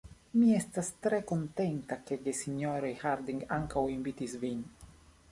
Mi estas tre kontenta, ke gesinjoroj Harding ankaŭ invitis vin.